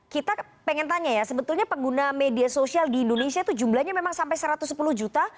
kita pengen tanya ya sebetulnya pengguna media sosial di indonesia itu jumlahnya memang sampai satu ratus sepuluh juta